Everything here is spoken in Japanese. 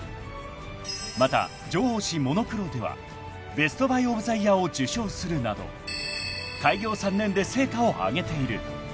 ［また情報誌『ＭＯＮＯＱＬＯ』ではベストバイ・オブ・ザ・イヤーを受賞するなど開業３年で成果を挙げている］